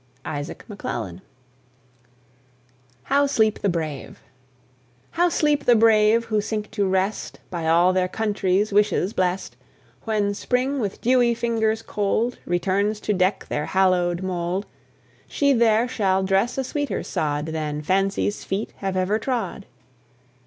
ISAAC MCCLELLAN. HOW SLEEP THE BRAVE. How sleep the brave, who sink to rest By all their country's wishes blest! When Spring, with dewy fingers cold, Returns to deck their hallow'd mould, She there shall dress a sweeter sod Than Fancy's feet have ever trod.